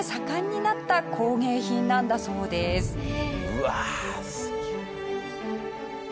うわあすげえな。